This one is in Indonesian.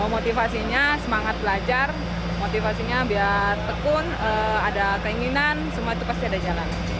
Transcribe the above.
motivasinya semangat belajar motivasinya biar tekun ada keinginan semua itu pasti ada jalan